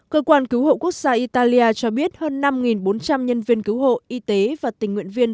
cơ quan cứu hộ quốc gia italia cho biết hơn năm bốn trăm linh nhân viên cứu hộ y tế và tình nguyện viên